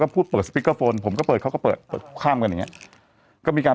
ก็พูดเปิดผมก็เปิดเขาก็เปิดข้ามกันอย่างเงี้ยก็มีการ